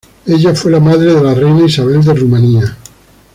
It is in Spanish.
Ella fue la madre de la reina Isabel de Rumania.